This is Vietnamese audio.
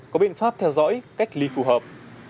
có biện pháp theo dõi cách ly phù hợp